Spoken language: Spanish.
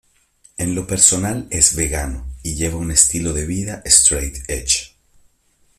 En lo personal, es vegano y lleva un estilo de vida straight edge.